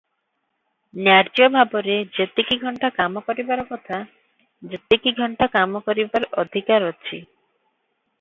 ନ୍ୟାର୍ଯ୍ୟ ଭାବରେ ଯେତିକି ଘଣ୍ଟା କାମ କରିବାର କଥା ଯେତିକି ଘଣ୍ଟା କାମ କରିବାର ଅଧିକାର ଅଛି ।